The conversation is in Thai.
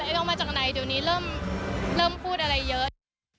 เอามาจากไหนเดี๋ยวนี้เริ่มพูดอะไรเยอะ